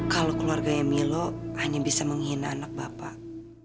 kalau keluarganya milo hanya bisa menghina anak bapak